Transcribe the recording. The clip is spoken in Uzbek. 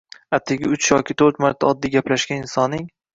atigi uch yoki to'rt marta oddiy gaplashgan insoning.